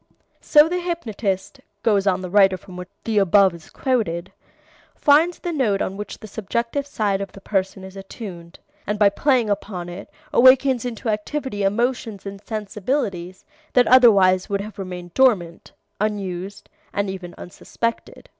'" "So the hypnotist," goes on the writer from which the above is quoted, "finds the note on which the subjective side of the person is attuned, and by playing upon it awakens into activity emotions and sensibilities that otherwise would have remained dormant, unused and even unsuspected."